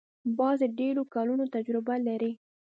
باز د ډېرو کلونو تجربه لري